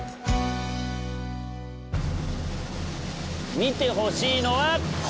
見てほしいのはこちら。